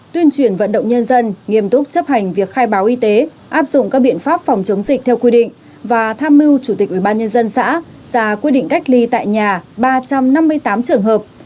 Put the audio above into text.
tuyên truyền vận động nhân dân nghiêm túc chấp hành việc khai báo y tế áp dụng các biện pháp phòng chống dịch theo quy định và tham mưu chủ tịch ubnd xã ra quy định cách ly tại nhà ba trăm năm mươi tám trường hợp